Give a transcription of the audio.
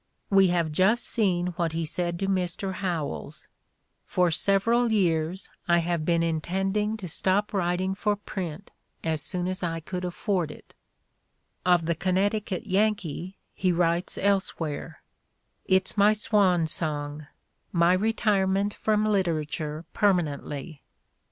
We have just seen what he said to Mr. Howells: "For several years I have been intending to stop writing for print as soon as I could afford it": of the "Connecticut Yankee" he writes elsewhere: "It's my swan song, my retirement from literature perma nently.